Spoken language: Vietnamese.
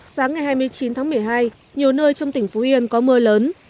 sáng ngày hai mươi chín tháng một mươi hai nhiều nơi trong tỉnh phú yên có mưa lớn